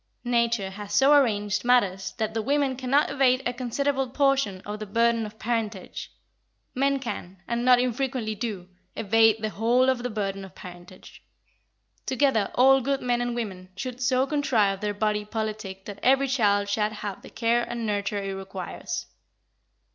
Nature has so arranged matters that the women cannot evade a considerable portion of the burden of parentage. Men can, and not infrequently do, evade the whole of the burden of parentage. Together all good men and women should so contrive their body politic that every child shall have the care and nurture it requires.